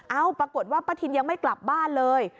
ปรากฏว่าป้าทินยังไม่กลับบ้านเลย